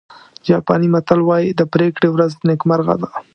جاپاني متل وایي د پرېکړې ورځ نیکمرغه ده.